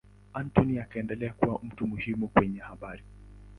Anthony akaendelea kuwa mtu muhimu kwenye habari.